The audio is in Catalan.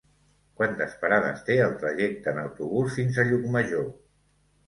Quantes parades té el trajecte en autobús fins a Llucmajor?